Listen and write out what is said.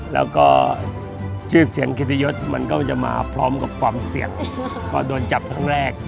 แล้วก็ชื่อเสียงเกียรติยศมันก็จะมาพร้อมกับความเสี่ยงพอโดนจับครั้งแรก